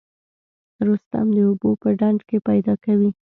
رستم د اوبو په ډنډ کې پیدا کوي.